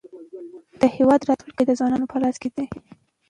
د هېواد راتلونکی د ځوانانو په لاس کې دی.